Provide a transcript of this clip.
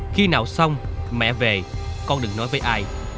khi nào xong mẹ về con được nói với ai